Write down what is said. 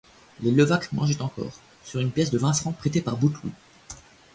Les Levaque mangeaient encore, sur une pièce de vingt francs prêtée par Bouteloup.